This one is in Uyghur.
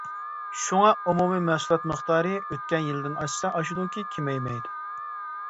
شۇڭا ئومۇمى مەھسۇلات مىقدارى ئۆتكەن يىلدىن ئاشسا ئاشىدۇكى كېمەيمەيدۇ.